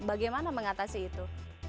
bagaimana mengatasi itu